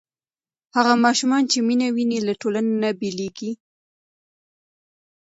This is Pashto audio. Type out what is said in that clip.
هغه ماشوم چې مینه ویني له ټولنې نه بېلېږي.